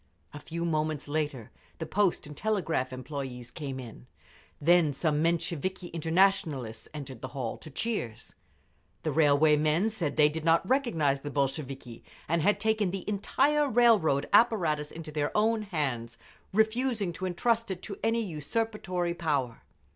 A few moments later the Post and Telegraph Employees came in; then some Mensheviki Internationalists entered the hall, to cheers. The Railway men said they did not recognise the Bolsheviki and had taken the entire railroad apparatus into their own hands, refusing to entrust it to any usurpatory power.